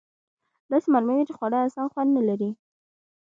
داسې معلومیږي چې خواړه اصلآ خوند نه لري.